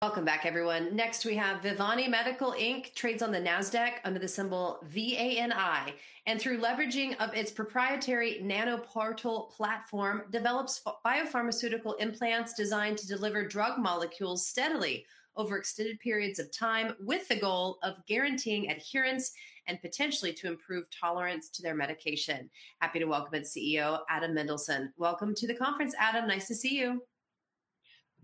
Welcome back, everyone. Next, we have Vivani Medical Inc., trades on the Nasdaq under the symbol VANI, and through leveraging its proprietary NanoPortal platform, develops biopharmaceutical implants designed to deliver drug molecules steadily over extended periods of time with the goal of guaranteeing adherence and potentially to improve tolerance to their medication. Happy to welcome in CEO Adam Mendelsohn. Welcome to the conference, Adam. Nice to see you.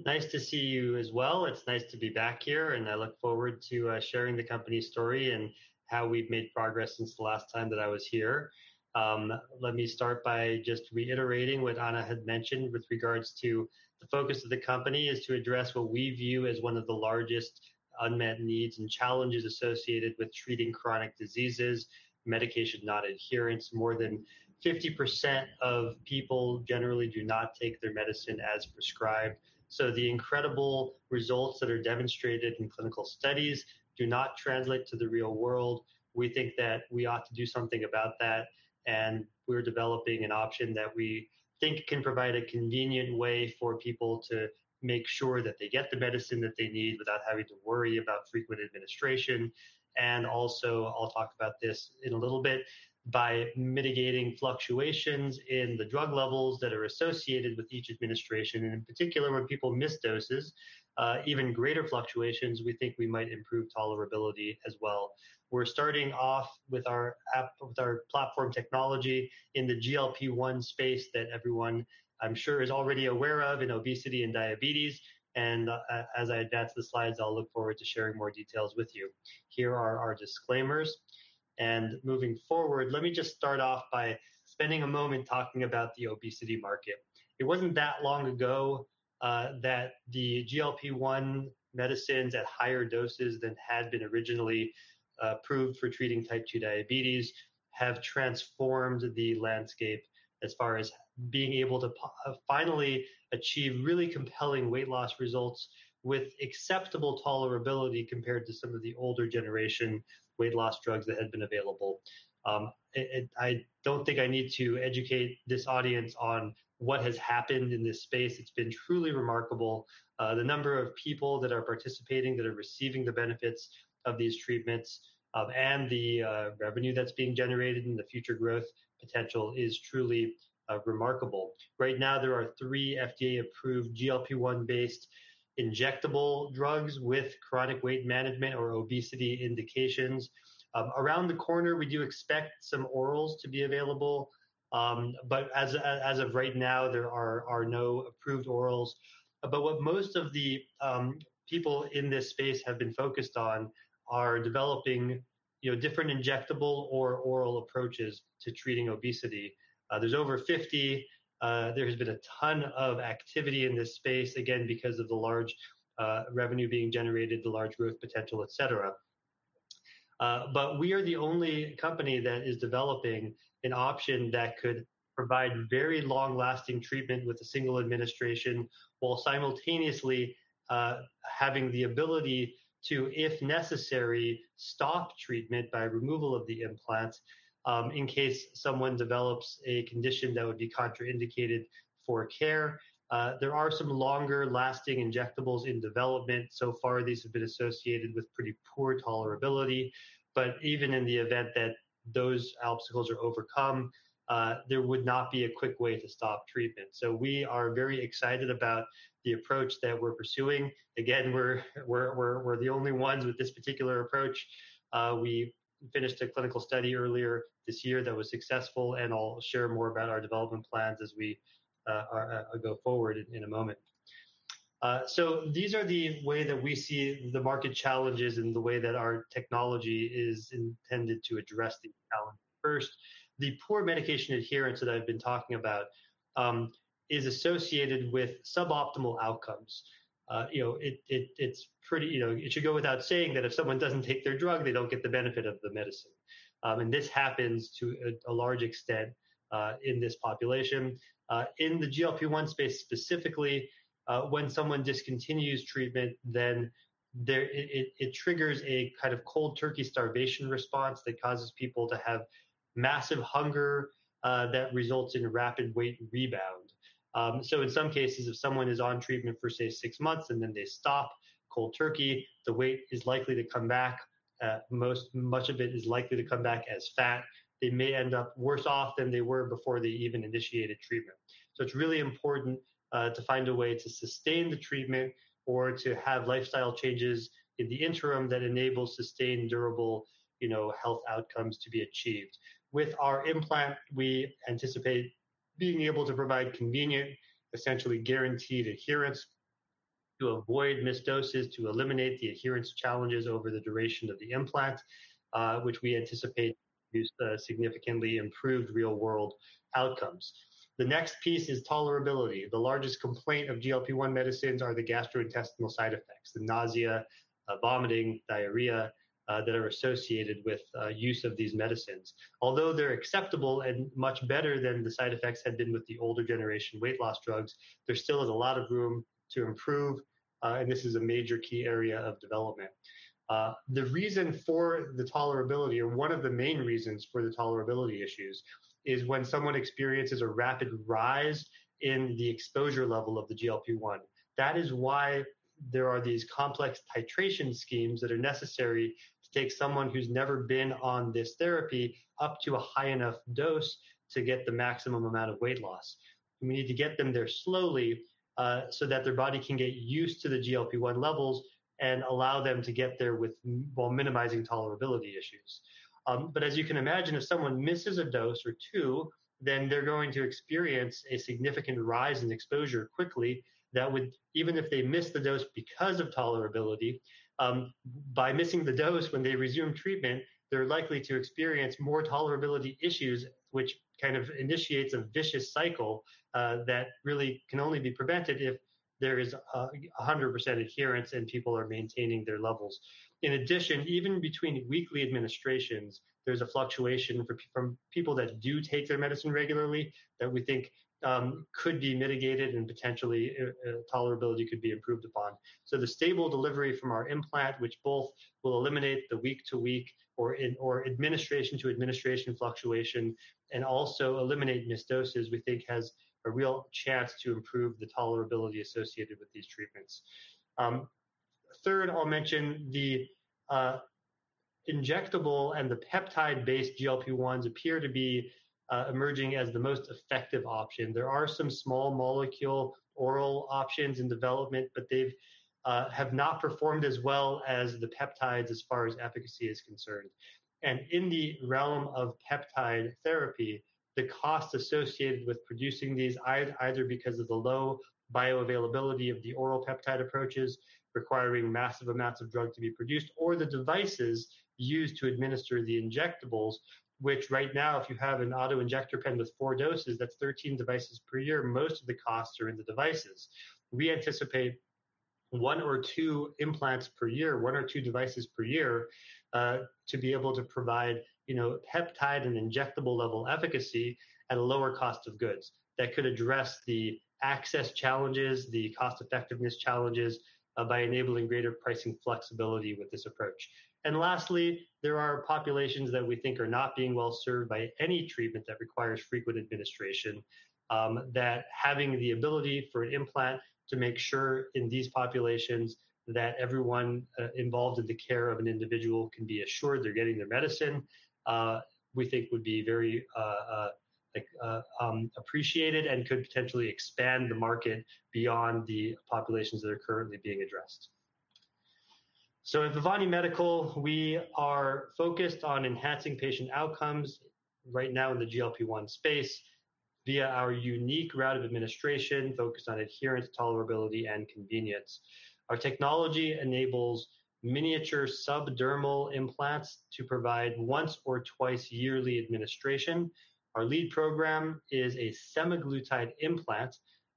Nice to see you as well. It's nice to be back here, and I look forward to sharing the company's story and how we've made progress since the last time that I was here. Let me start by just reiterating what Ana had mentioned with regards to the focus of the company is to address what we view as one of the largest unmet needs and challenges associated with treating chronic diseases: medication non-adherence. More than 50% of people generally do not take their medicine as prescribed. So the incredible results that are demonstrated in clinical studies do not translate to the real world. We think that we ought to do something about that, and we're developing an option that we think can provide a convenient way for people to make sure that they get the medicine that they need without having to worry about frequent administration. And also, I'll talk about this in a little bit, by mitigating fluctuations in the drug levels that are associated with each administration, and in particular, when people miss doses, even greater fluctuations, we think we might improve tolerability as well. We're starting off with our platform technology in the GLP-1 space that everyone, I'm sure, is already aware of in obesity and diabetes. And as I advance the slides, I'll look forward to sharing more details with you. Here are our disclaimers. And moving forward, let me just start off by spending a moment talking about the obesity market. It wasn't that long ago that the GLP-1 medicines at higher doses than had been originally approved for treating type 2 diabetes have transformed the landscape as far as being able to finally achieve really compelling weight loss results with acceptable tolerability compared to some of the older generation weight loss drugs that had been available. I don't think I need to educate this audience on what has happened in this space. It's been truly remarkable. The number of people that are participating, that are receiving the benefits of these treatments, and the revenue that's being generated and the future growth potential is truly remarkable. Right now, there are three FDA-approved GLP-1-based injectable drugs with chronic weight management or obesity indications. Around the corner, we do expect some orals to be available, but as of right now, there are no approved orals. But what most of the people in this space have been focused on are developing different injectable or oral approaches to treating obesity. There's over 50. There has been a ton of activity in this space, again, because of the large revenue being generated, the large growth potential, et cetera. But we are the only company that is developing an option that could provide very long-lasting treatment with a single administration while simultaneously having the ability to, if necessary, stop treatment by removal of the implant in case someone develops a condition that would be contraindicated for care. There are some longer-lasting injectables in development. So far, these have been associated with pretty poor tolerability. But even in the event that those obstacles are overcome, there would not be a quick way to stop treatment. So we are very excited about the approach that we're pursuing. Again, we're the only ones with this particular approach. We finished a clinical study earlier this year that was successful, and I'll share more about our development plans as we go forward in a moment. So these are the way that we see the market challenges and the way that our technology is intended to address these challenges. First, the poor medication adherence that I've been talking about is associated with suboptimal outcomes. It should go without saying that if someone doesn't take their drug, they don't get the benefit of the medicine. And this happens to a large extent in this population. In the GLP-1 space specifically, when someone discontinues treatment, then it triggers a kind of cold turkey starvation response that causes people to have massive hunger that results in rapid weight rebound. In some cases, if someone is on treatment for, say, six months and then they stop cold turkey, the weight is likely to come back. Much of it is likely to come back as fat. They may end up worse off than they were before they even initiated treatment. It's really important to find a way to sustain the treatment or to have lifestyle changes in the interim that enable sustained, durable health outcomes to be achieved. With our implant, we anticipate being able to provide convenient, essentially guaranteed adherence to avoid missed doses, to eliminate the adherence challenges over the duration of the implant, which we anticipate significantly improved real-world outcomes. The next piece is tolerability. The largest complaint of GLP-1 medicines are the gastrointestinal side effects: the nausea, vomiting, diarrhea that are associated with use of these medicines. Although they're acceptable and much better than the side effects had been with the older generation weight loss drugs, there still is a lot of room to improve, and this is a major key area of development. The reason for the tolerability, or one of the main reasons for the tolerability issues, is when someone experiences a rapid rise in the exposure level of the GLP-1. That is why there are these complex titration schemes that are necessary to take someone who's never been on this therapy up to a high enough dose to get the maximum amount of weight loss. We need to get them there slowly so that their body can get used to the GLP-1 levels and allow them to get there while minimizing tolerability issues. As you can imagine, if someone misses a dose or two, then they're going to experience a significant rise in exposure quickly that would, even if they miss the dose because of tolerability, by missing the dose when they resume treatment, they're likely to experience more tolerability issues, which kind of initiates a vicious cycle that really can only be prevented if there is 100% adherence and people are maintaining their levels. In addition, even between weekly administrations, there's a fluctuation from people that do take their medicine regularly that we think could be mitigated and potentially tolerability could be improved upon. The stable delivery from our implant, which both will eliminate the week-to-week or administration-to-administration fluctuation and also eliminate missed doses, we think has a real chance to improve the tolerability associated with these treatments. Third, I'll mention the injectable and the peptide-based GLP-1s appear to be emerging as the most effective option. There are some small molecule oral options in development, but they have not performed as well as the peptides as far as efficacy is concerned. And in the realm of peptide therapy, the cost associated with producing these either because of the low bioavailability of the oral peptide approaches requiring massive amounts of drug to be produced or the devices used to administer the injectables, which right now, if you have an autoinjector pen with four doses, that's 13 devices per year. Most of the costs are in the devices. We anticipate one or two implants per year, one or two devices per year to be able to provide peptide and injectable level efficacy at a lower cost of goods. That could address the access challenges, the cost-effectiveness challenges by enabling greater pricing flexibility with this approach. And lastly, there are populations that we think are not being well served by any treatment that requires frequent administration, that having the ability for an implant to make sure, in these populations, that everyone involved in the care of an individual can be assured they're getting their medicine, we think would be very appreciated and could potentially expand the market beyond the populations that are currently being addressed. So at Vivani Medical, we are focused on enhancing patient outcomes right now in the GLP-1 space via our unique route of administration focused on adherence, tolerability, and convenience. Our technology enables miniature subdermal implants to provide once or twice yearly administration. Our lead program is a semaglutide implant.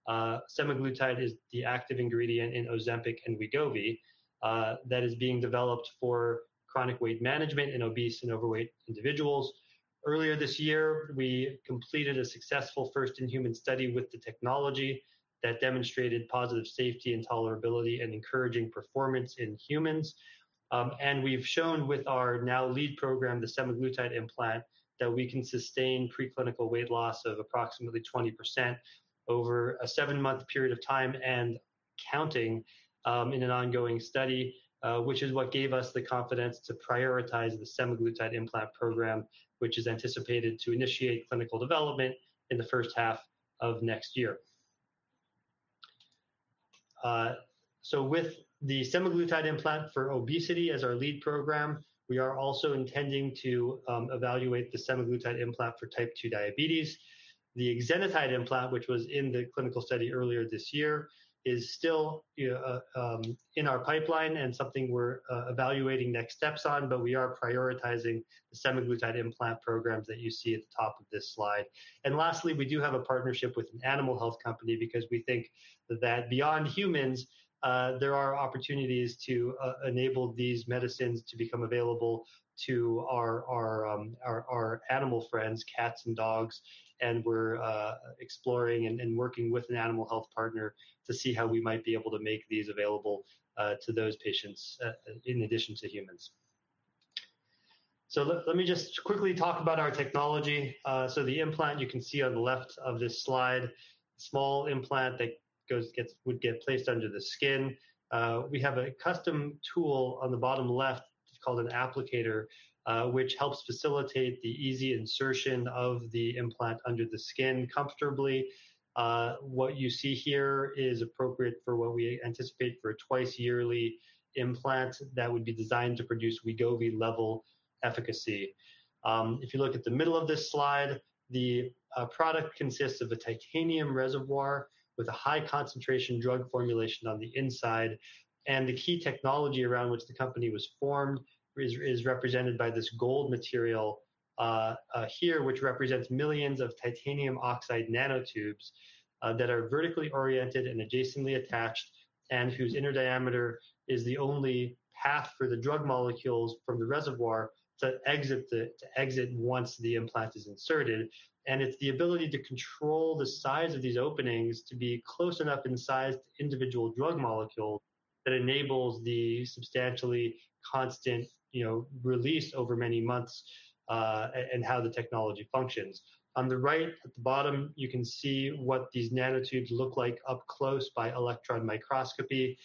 Semaglutide is the active ingredient in Ozempic and Wegovy that is being developed for chronic weight management in obese and overweight individuals. Earlier this year, we completed a successful first-in-human study with the technology that demonstrated positive safety and tolerability and encouraging performance in humans, and we've shown with our now lead program, the semaglutide implant, that we can sustain preclinical weight loss of approximately 20% over a seven-month period of time and counting in an ongoing study, which is what gave us the confidence to prioritize the semaglutide implant program, which is anticipated to initiate clinical development in the first half of next year, so with the semaglutide implant for obesity as our lead program, we are also intending to evaluate the semaglutide implant for type 2 diabetes. The exenatide implant, which was in the clinical study earlier this year, is still in our pipeline and something we're evaluating next steps on, but we are prioritizing the semaglutide implant programs that you see at the top of this slide, and lastly, we do have a partnership with an animal health company because we think that beyond humans, there are opportunities to enable these medicines to become available to our animal friends, cats and dogs, and we're exploring and working with an animal health partner to see how we might be able to make these available to those patients in addition to humans, so let me just quickly talk about our technology, so the implant you can see on the left of this slide, a small implant that would get placed under the skin. We have a custom tool on the bottom left called an applicator, which helps facilitate the easy insertion of the implant under the skin comfortably. What you see here is appropriate for what we anticipate for a twice yearly implant that would be designed to produce Wegovy-level efficacy. If you look at the middle of this slide, the product consists of a titanium reservoir with a high-concentration drug formulation on the inside, and the key technology around which the company was formed is represented by this gold material here, which represents millions of titanium oxide nanotubes that are vertically oriented and adjacently attached and whose inner diameter is the only path for the drug molecules from the reservoir to exit once the implant is inserted. It's the ability to control the size of these openings to be close enough in size to individual drug molecules that enables the substantially constant release over many months and how the technology functions. On the right at the bottom, you can see what these nanotubes look like up close by electron microscopy.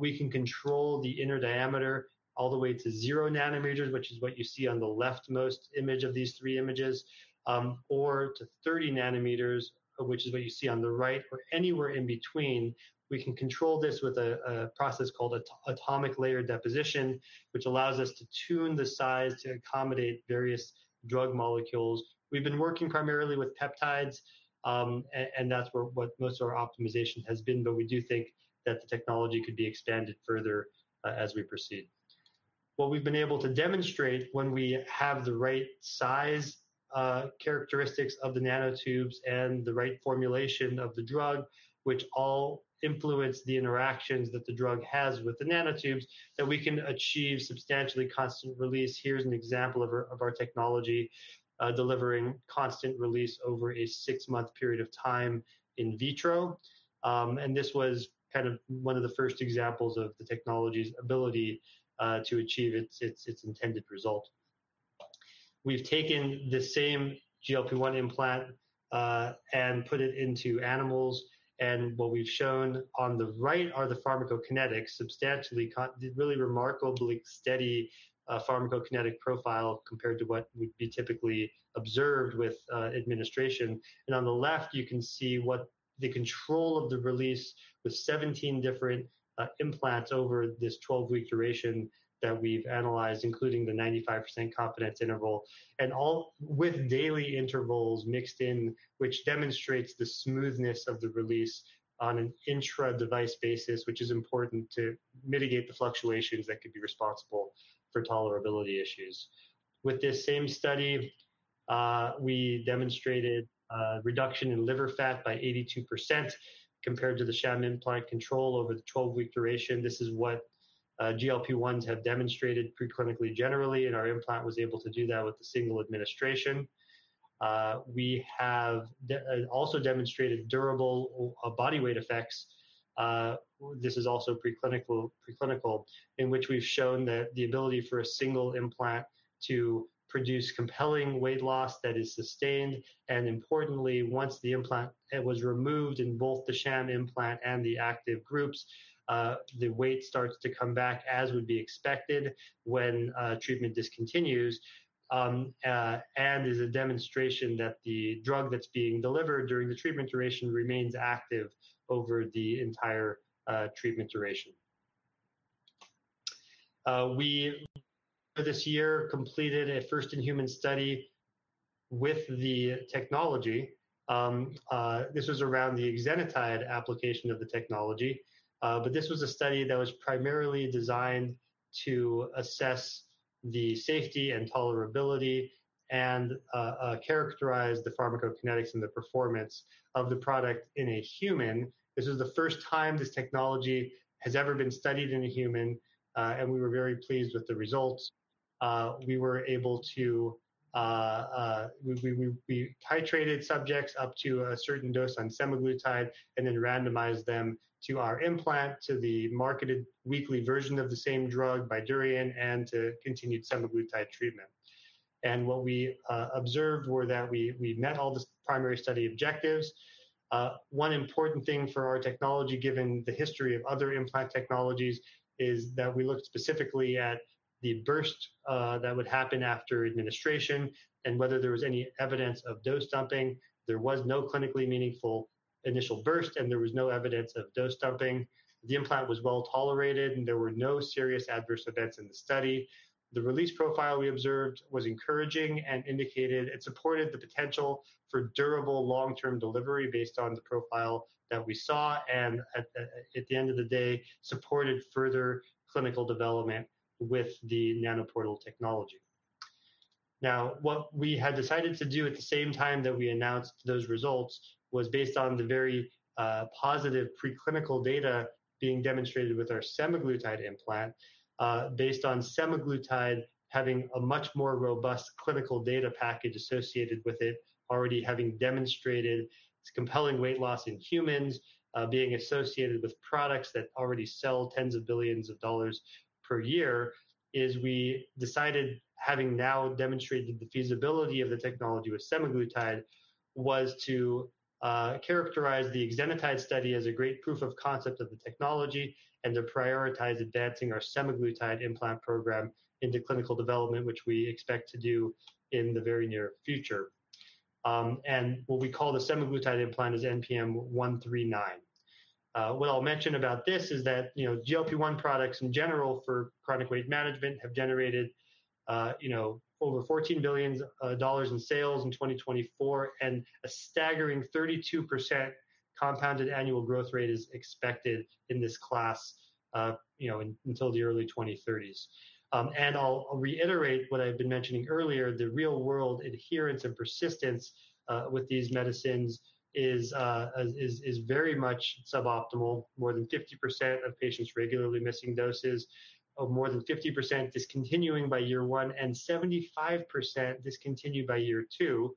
We can control the inner diameter all the way to zero nanometers, which is what you see on the leftmost image of these three images, or to 30 nanometers, which is what you see on the right, or anywhere in between. We can control this with a process called atomic layer deposition, which allows us to tune the size to accommodate various drug molecules. We've been working primarily with peptides, and that's what most of our optimization has been, but we do think that the technology could be expanded further as we proceed. What we've been able to demonstrate when we have the right size characteristics of the nanotubes and the right formulation of the drug, which all influence the interactions that the drug has with the nanotubes, that we can achieve substantially constant release. Here's an example of our technology delivering constant release over a six-month period of time in vitro, and this was kind of one of the first examples of the technology's ability to achieve its intended result. We've taken the same GLP-1 implant and put it into animals, and what we've shown on the right are the pharmacokinetics, substantially, really remarkably steady pharmacokinetic profile compared to what would be typically observed with administration. On the left, you can see the control of the release with 17 different implants over this 12-week duration that we've analyzed, including the 95% confidence interval, and all with daily intervals mixed in, which demonstrates the smoothness of the release on an intra-device basis, which is important to mitigate the fluctuations that could be responsible for tolerability issues. With this same study, we demonstrated reduction in liver fat by 82% compared to the sham implant control over the 12-week duration. This is what GLP-1s have demonstrated preclinically generally, and our implant was able to do that with a single administration. We have also demonstrated durable body weight effects. This is also preclinical, in which we've shown that the ability for a single implant to produce compelling weight loss that is sustained. Importantly, once the implant was removed in both the sham implant and the active groups, the weight starts to come back as would be expected when treatment discontinues and is a demonstration that the drug that's being delivered during the treatment duration remains active over the entire treatment duration. We, this year, completed a first-in-human study with the technology. This was around the exenatide application of the technology, but this was a study that was primarily designed to assess the safety and tolerability and characterize the pharmacokinetics and the performance of the product in a human. This is the first time this technology has ever been studied in a human, and we were very pleased with the results. We were able to titrate subjects up to a certain dose on semaglutide and then randomize them to our implant, to the marketed weekly version of the same drug by Bydureon and to continued semaglutide treatment, and what we observed were that we met all the primary study objectives. One important thing for our technology, given the history of other implant technologies, is that we looked specifically at the burst that would happen after administration and whether there was any evidence of dose dumping. There was no clinically meaningful initial burst, and there was no evidence of dose dumping. The implant was well tolerated, and there were no serious adverse events in the study. The release profile we observed was encouraging and indicated it supported the potential for durable long-term delivery based on the profile that we saw and, at the end of the day, supported further clinical development with the NanoPortal technology. Now, what we had decided to do at the same time that we announced those results was based on the very positive preclinical data being demonstrated with our semaglutide implant, based on semaglutide having a much more robust clinical data package associated with it, already having demonstrated compelling weight loss in humans being associated with products that already sell tens of billions of dollars per year. We decided, having now demonstrated the feasibility of the technology with semaglutide, to characterize the exenatide study as a great proof of concept of the technology and to prioritize advancing our semaglutide implant program into clinical development, which we expect to do in the very near future. And what we call the semaglutide implant is NPM-139. What I'll mention about this is that GLP-1 products in general for chronic weight management have generated over $14 billion in sales in 2024, and a staggering 32% compounded annual growth rate is expected in this class until the early 2030s. And I'll reiterate what I've been mentioning earlier. The real-world adherence and persistence with these medicines is very much suboptimal. More than 50% of patients regularly missing doses, more than 50% discontinuing by year one, and 75% discontinued by year two.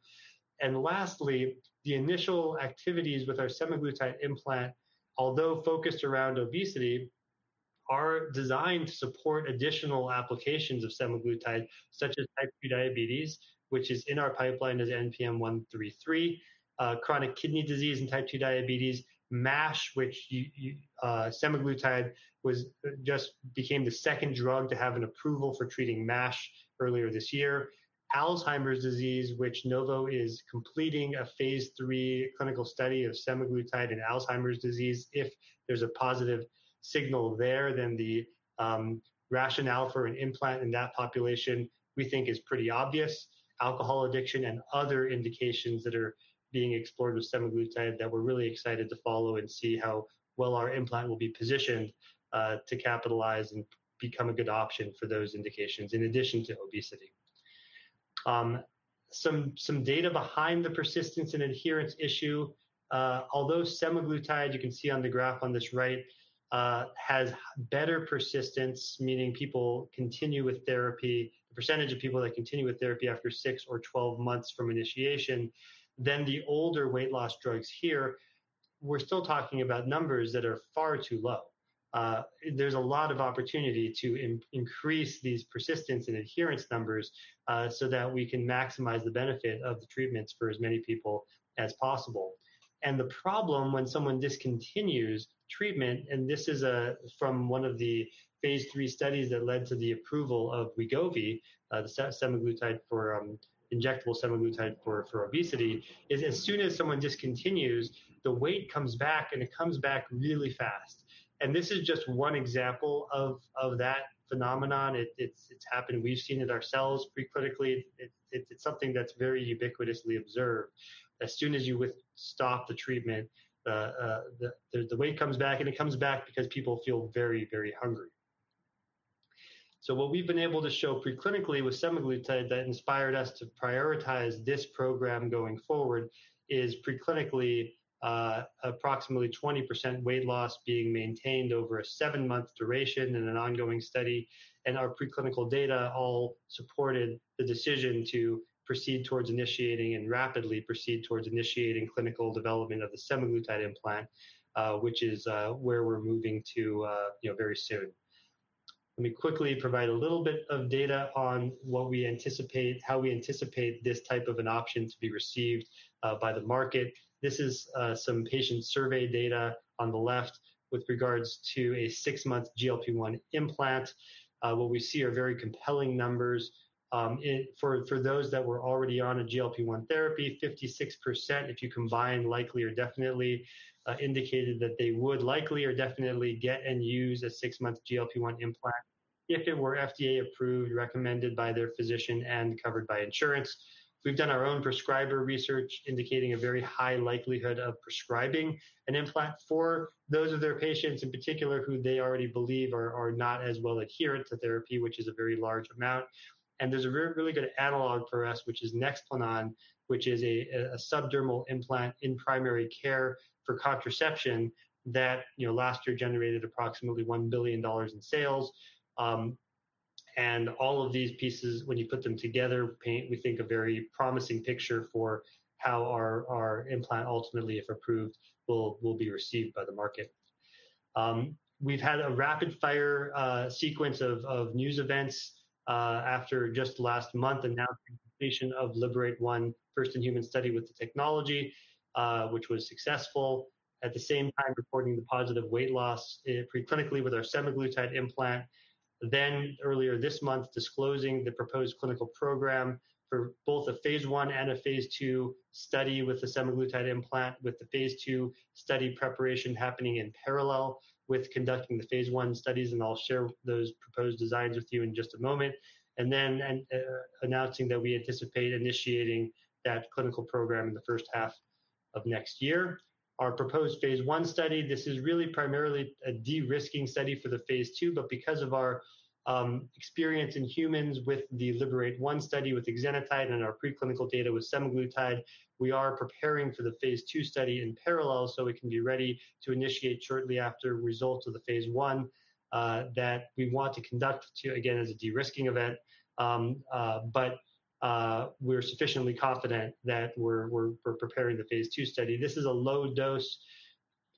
And lastly, the initial activities with our semaglutide implant, although focused around obesity, are designed to support additional applications of semaglutide, such as type 2 diabetes, which is in our pipeline as NPM-133, chronic kidney disease and type 2 diabetes, MASH, which semaglutide just became the second drug to have an approval for treating MASH earlier this year, Alzheimer's disease, which Novo is completing a phase III clinical study of semaglutide in Alzheimer's disease. If there's a positive signal there, then the rationale for an implant in that population, we think, is pretty obvious. Alcohol addiction and other indications that are being explored with semaglutide that we're really excited to follow and see how well our implant will be positioned to capitalize and become a good option for those indications in addition to obesity. Some data behind the persistence and adherence issue. Although semaglutide, you can see on the graph on this right, has better persistence, meaning people continue with therapy, the percentage of people that continue with therapy after six or 12 months from initiation, than the older weight loss drugs here. We're still talking about numbers that are far too low. There's a lot of opportunity to increase these persistence and adherence numbers so that we can maximize the benefit of the treatments for as many people as possible. And the problem when someone discontinues treatment, and this is from one of the phase III studies that led to the approval of Wegovy, the injectable semaglutide for obesity, is as soon as someone discontinues, the weight comes back, and it comes back really fast. And this is just one example of that phenomenon. It's happened. We've seen it ourselves preclinically. It's something that's very ubiquitously observed. As soon as you stop the treatment, the weight comes back, and it comes back because people feel very, very hungry, so what we've been able to show preclinically with semaglutide that inspired us to prioritize this program going forward is preclinically approximately 20% weight loss being maintained over a seven-month duration in an ongoing study, and our preclinical data all supported the decision to proceed towards initiating and rapidly proceed towards initiating clinical development of the semaglutide implant, which is where we're moving to very soon. Let me quickly provide a little bit of data on how we anticipate this type of an option to be received by the market. This is some patient survey data on the left with regards to a six-month GLP-1 implant. What we see are very compelling numbers. For those that were already on a GLP-1 therapy, 56%, if you combine likely or definitely, indicated that they would likely or definitely get and use a six-month GLP-1 implant if it were FDA-approved, recommended by their physician, and covered by insurance. We've done our own prescriber research indicating a very high likelihood of prescribing an implant for those of their patients in particular who they already believe are not as well adherent to therapy, which is a very large amount, and there's a really good analog for us, which is Nexplanon, which is a subdermal implant in primary care for contraception that last year generated approximately $1 billion in sales, and all of these pieces, when you put them together, paint, we think, a very promising picture for how our implant, ultimately, if approved, will be received by the market. We've had a rapid-fire sequence of news events after just last month announcing completion of LIBERATE-1, first-in-human study with the technology, which was successful, at the same time reporting the positive weight loss preclinically with our semaglutide implant. Then, earlier this month, disclosing the proposed clinical program for both a phase I and a phase II study with the semaglutide implant, with the phase II study preparation happening in parallel with conducting the phase I studies. And I'll share those proposed designs with you in just a moment. And then announcing that we anticipate initiating that clinical program in the first half of next year. Our proposed phase I study, this is really primarily a de-risking study for the phase II, but because of our experience in humans with the LIBERATE-1 study with exenatide and our preclinical data with semaglutide, we are preparing for the phase II study in parallel so we can be ready to initiate shortly after results of the phase I that we want to conduct again as a de-risking event. But we're sufficiently confident that we're preparing the phase II study. This is a low-dose,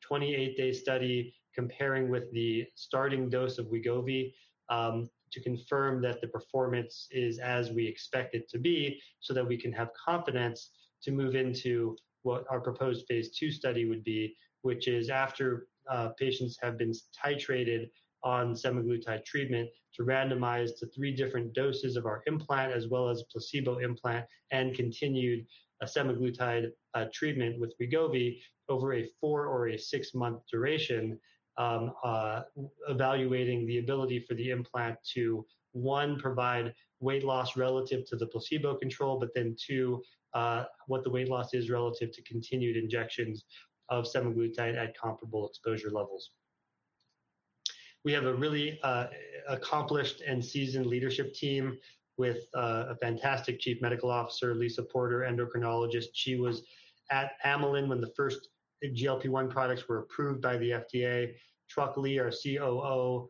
28-day study comparing with the starting dose of Wegovy to confirm that the performance is as we expect it to be so that we can have confidence to move into what our proposed phase II study would be, which is after patients have been titrated on semaglutide treatment to randomize to three different doses of our implant as well as a placebo implant and continued semaglutide treatment with Wegovy over a four- or six-month duration, evaluating the ability for the implant to, one, provide weight loss relative to the placebo control, but then, two, what the weight loss is relative to continued injections of semaglutide at comparable exposure levels. We have a really accomplished and seasoned leadership team with a fantastic Chief Medical Officer, Lisa Porter, endocrinologist. She was at Amylin when the first GLP-1 products were approved by the FDA. Truc Le, our COO,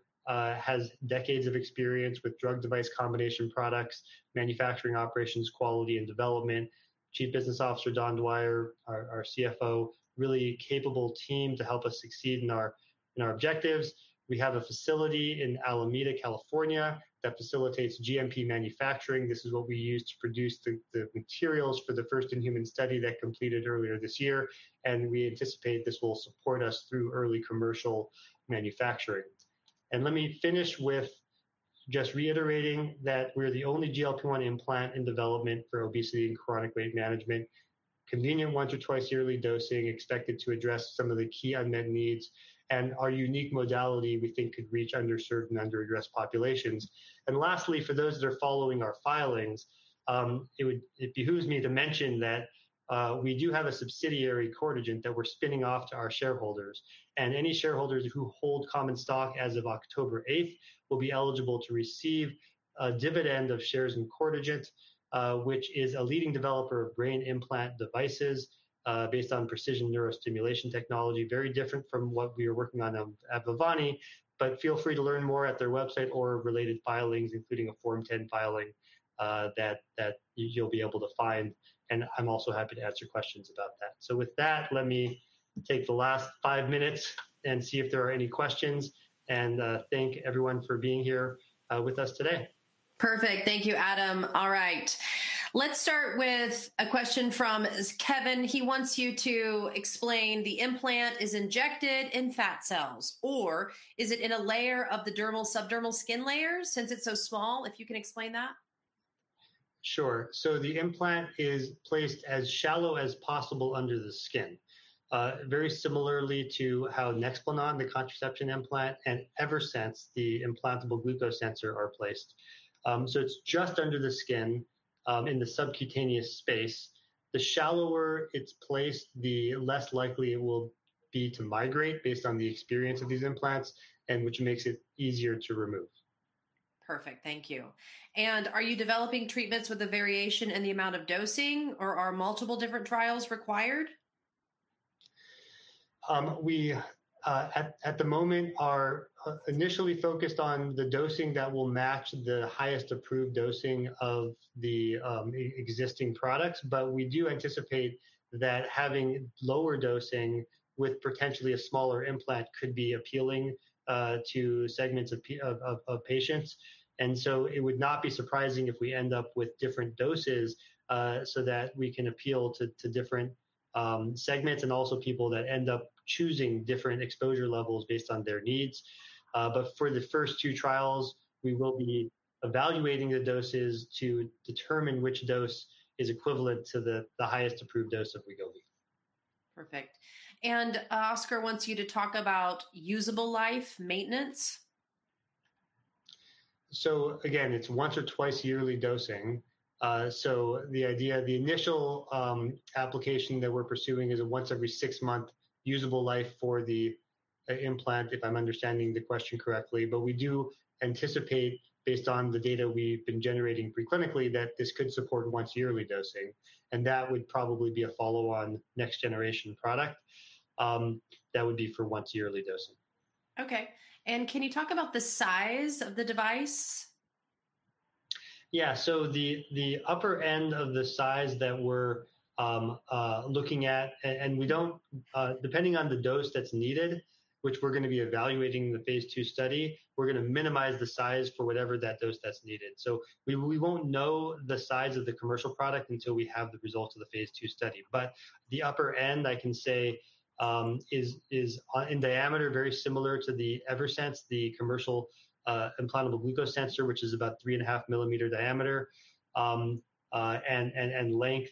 has decades of experience with drug-device combination products, manufacturing operations, quality, and development. Chief Business Officer, Don Dwyer, our CBO, really capable team to help us succeed in our objectives. We have a facility in Alameda, California, that facilitates GMP manufacturing. This is what we use to produce the materials for the first-in-human study that completed earlier this year, and we anticipate this will support us through early commercial manufacturing, and let me finish with just reiterating that we're the only GLP-1 implant in development for obesity and chronic weight management, convenient one- to twice-yearly dosing expected to address some of the key unmet needs and our unique modality we think could reach underserved and under-addressed populations. And lastly, for those that are following our filings, it behooves me to mention that we do have a subsidiary Cortigent that we're spinning off to our shareholders. And any shareholders who hold common stock as of October 8th will be eligible to receive a dividend of shares in Cortigent, which is a leading developer of brain implant devices based on precision neurostimulation technology, very different from what we are working on at Vivani. But feel free to learn more at their website or related filings, including a Form 10 filing that you'll be able to find. And I'm also happy to answer questions about that. So with that, let me take the last five minutes and see if there are any questions. And thank everyone for being here with us today. Perfect. Thank you, Adam. All right. Let's start with a question from Kevin. He wants you to explain, "The implant is injected in fat cells, or is it in a layer of the dermal/subdermal skin layers?" Since it's so small, if you can explain that. Sure, so the implant is placed as shallow as possible under the skin, very similarly to how Nexplanon, the contraceptive implant, and Eversense, the implantable glucose sensor, are placed, so it's just under the skin in the subcutaneous space. The shallower it's placed, the less likely it will be to migrate based on the experience of these implants, which makes it easier to remove. Perfect. Thank you. And are you developing treatments with a variation in the amount of dosing, or are multiple different trials required? We, at the moment, are initially focused on the dosing that will match the highest approved dosing of the existing products. But we do anticipate that having lower dosing with potentially a smaller implant could be appealing to segments of patients. And so it would not be surprising if we end up with different doses so that we can appeal to different segments and also people that end up choosing different exposure levels based on their needs. But for the first two trials, we will be evaluating the doses to determine which dose is equivalent to the highest approved dose of Wegovy. Perfect. And Oscar wants you to talk about usable life maintenance. So again, it's once or twice yearly dosing. So the initial application that we're pursuing is a once every six-month usable life for the implant, if I'm understanding the question correctly. But we do anticipate, based on the data we've been generating preclinically, that this could support once yearly dosing. And that would probably be a follow-on next-generation product that would be for once yearly dosing. Okay, and can you talk about the size of the device? Yeah. So the upper end of the size that we're looking at, and depending on the dose that's needed, which we're going to be evaluating in the phase II study, we're going to minimize the size for whatever that dose that's needed. So we won't know the size of the commercial product until we have the results of the phase II study. But the upper end, I can say, is in diameter very similar to the Eversense, the commercial implantable glucose sensor, which is about 3.5 mm diameter. And length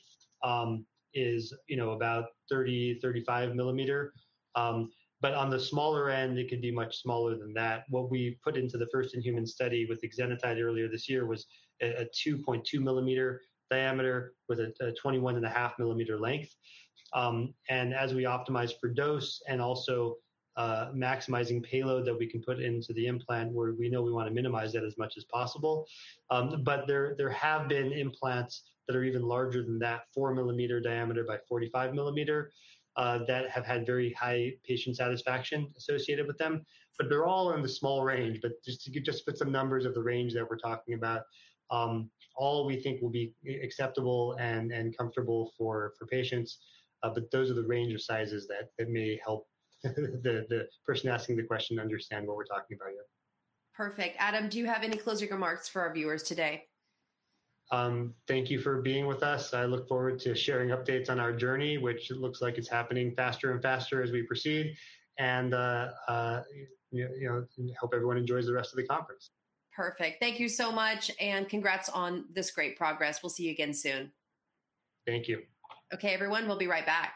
is about 30 mm-35 mm. But on the smaller end, it could be much smaller than that. What we put into the first-in-human study with exenatide earlier this year was a 2.2 mm diameter with a 21.5 mm length. As we optimize for dose and also maximizing payload that we can put into the implant, we know we want to minimize that as much as possible. There have been implants that are even larger than that, 4-mm diameter by 45-mm, that have had very high patient satisfaction associated with them. They're all in the small range. Just to give just some numbers of the range that we're talking about, all we think will be acceptable and comfortable for patients. Those are the range of sizes that may help the person asking the question understand what we're talking about here. Perfect. Adam, do you have any closing remarks for our viewers today? Thank you for being with us. I look forward to sharing updates on our journey, which looks like it's happening faster and faster as we proceed, and hope everyone enjoys the rest of the conference. Perfect. Thank you so much. And congrats on this great progress. We'll see you again soon. Thank you. Okay, everyone. We'll be right back.